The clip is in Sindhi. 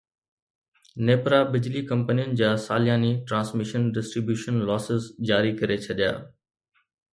نيپرا بجلي ڪمپنين جا سالياني ٽرانسميشن ڊسٽري بيوشن لاسز جاري ڪري ڇڏيا